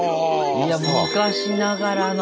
いや昔ながらの。